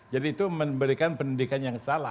jadi itu memberikan pendidikan yang salah